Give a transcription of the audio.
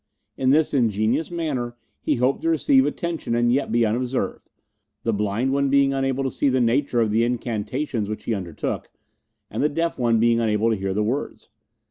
In this ingenious manner he hoped to receive attention and yet be unobserved, the blind one being unable to see the nature of the incantations which he undertook, and the deaf one being unable to hear the words.